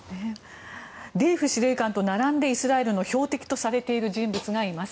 デイフ司令官と並んでイスラエルの標的とされている人物がいます。